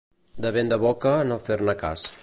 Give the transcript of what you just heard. De vent de boca, no fer-ne cas.